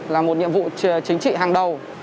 là một nhiệm vụ chính trị hàng đầu